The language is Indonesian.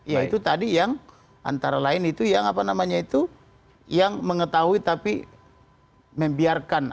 ya itu tadi yang antara lain itu yang apa namanya itu yang mengetahui tapi membiarkan